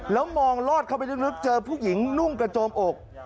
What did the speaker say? แล้วมองลอดเข้าไปลึกเจอผู้หญิงนุ่งกระโจมอก